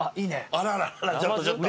あらららちょっとちょっと。